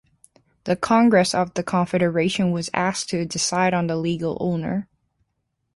The Congress of the Confederation was asked to decide on the legal owner.